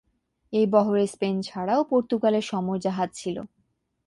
এই বহরে স্পেন ছাড়াও পর্তুগালের সমর জাহাজ ছিল।